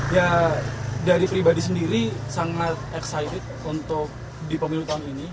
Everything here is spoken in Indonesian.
ya dari pribadi sendiri sangat excited untuk di pemilu tahun ini